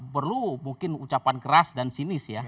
perlu mungkin ucapan keras dan sinis ya